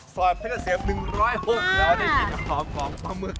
ซอยเทศเศษ๑๐๖แล้วได้กินของปลาหมึก